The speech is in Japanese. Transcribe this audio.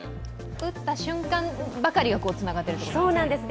打った瞬間ばかりがつながっているということなんですね？